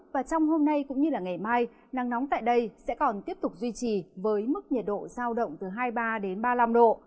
và trong hôm nay cũng như ngày mai nắng nóng tại đây sẽ còn tiếp tục duy trì với mức nhiệt độ giao động từ hai mươi ba đến ba mươi năm độ